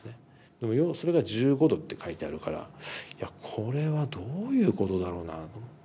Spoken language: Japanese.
でもそれが「１５°」って書いてあるから「いやこれはどういうことだろうな」と思って。